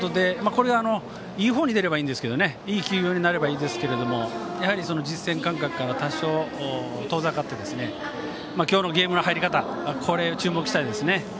これはいいほうに出ればいいんですがいい休養になればいいんですけれども実戦感覚から多少、遠ざかってて今日のゲームの入り方に注目したいですね。